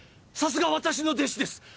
さすが私の弟子です